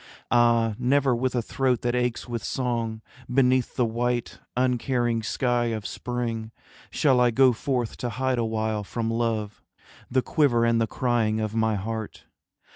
Ah, never with a throat that aches with song, Beneath the white uncaring sky of spring, Shall I go forth to hide awhile from Love The quiver and the crying of my heart.